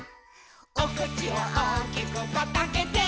「おくちをおおきくパッとあけて」